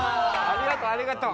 ありがとうありがとう。